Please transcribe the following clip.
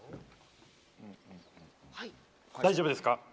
大丈夫ですか？